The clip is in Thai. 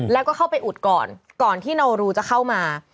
แล้วก็เข้าไปอุดก่อนก่อนที่โนรูจะเข้ามา